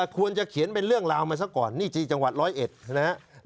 ควรจะเขียนเป็นเรื่องราวมาซะก่อนนี่ที่จังหวัดร้อยเอ็ดนะครับ